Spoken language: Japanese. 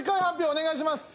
お願いします。